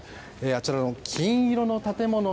あちらの金色の建物